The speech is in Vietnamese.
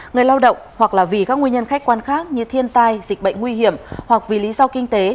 người lao động hoặc là vì các nguyên nhân khách quan khác như thiên tai dịch bệnh nguy hiểm hoặc vì lý do kinh tế